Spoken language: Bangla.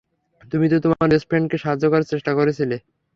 তুমি তো তোমার বেস্টফ্রেন্ডকে সাহায্য করার চেষ্টা করছিলে।